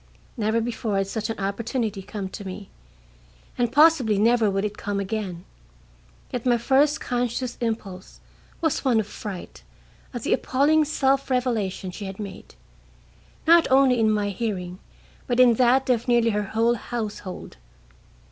Never before had such an opportunity come to me, and possibly never would it come again, yet my first conscious impulse was one of fright at the appalling self revelation she had made, not only in my hearing, but in that of nearly her whole household.